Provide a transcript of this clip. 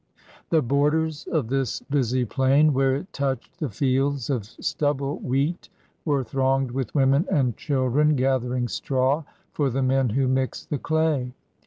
The borders of this busy plain, where it touched the fields of stubble wheat, were thronged with women and children gathering straw for the men who mixed the clay.